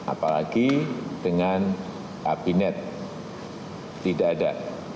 apalagi dengan kabinet tidak ada